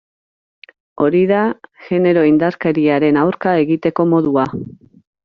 Hori da genero indarkeriaren aurka egiteko modua.